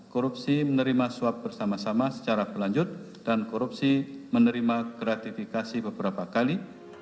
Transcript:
korupsi menerima suap bersama sama secara berlanjut dan korupsi menerima gratifikasi beberapa kali